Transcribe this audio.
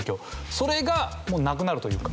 それがもうなくなるというか。